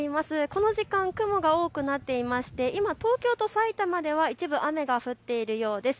この時間雲が多くなっていまして、今、東京と埼玉では一部雨が降っているようです。